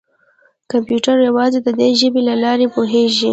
کمپیوټر یوازې د دې ژبې له لارې پوهېږي.